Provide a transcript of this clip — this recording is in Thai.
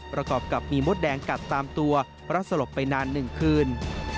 ประกอบกับมีมดแดงกัดตามตัวเพราะสลบไปนาน๑คืน